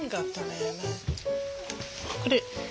これ。